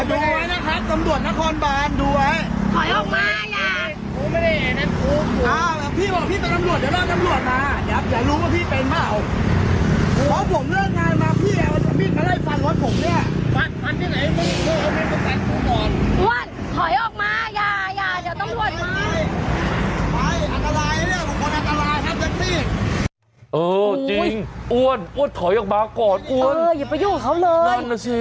เออจริงอ้วนถอยออกมาก่อนอ้วนอย่าไปยุ่งเขาเลย